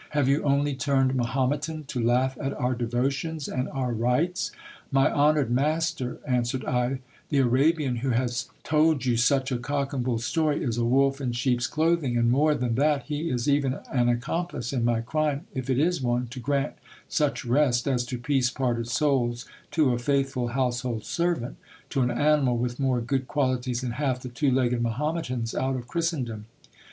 Have you only turned Mahometan to laugh at our devotions and our rites ? My honoured master, answered I, the Arabian who has told you such a cock and bull story is a wolf in sheep's clothing ; and more than that, he is even an accomplice in my crime, if it is one, to grant such rest as to, peace parted souls to a faithful household servant, to an animal with more good qualities than half the two legged Mahometans out of Christendom.